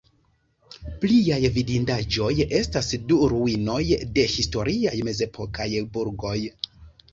Pliaj vidindaĵoj estas du ruinoj de historiaj mezepokaj burgoj.